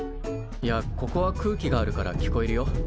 いやここは空気があるから聞こえるよ。